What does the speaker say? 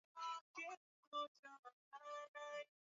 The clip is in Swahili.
Magharibi inayokaliwa hasa na Waarabu lakini pia na wengine